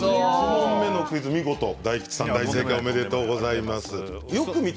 １問目のクイズ見事大吉さん、正解でございます。